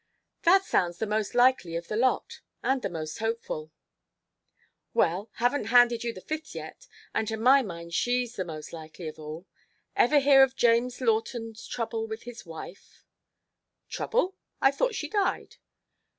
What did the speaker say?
"That sounds the most likely of the lot and the most hopeful." "Well, haven't handed you the fifth yet, and to my mind she's the most likely of all. Ever hear of James Lawton's trouble with his wife?" "Trouble? I thought she died."